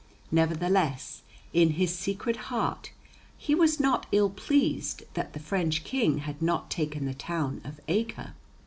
Nevertheless, in his secret heart, he was not ill pleased that the French King had not taken the town of Acre.